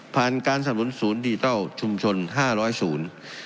ผ่านการสำรุนศูนย์ดิจิตัลชุมชน๕๐๐ศูนย์